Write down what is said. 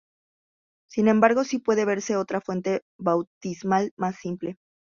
Sin embargo, sí puede verse otra fuente bautismal más simple.